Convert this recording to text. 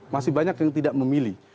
masih banyak yang tidak memilih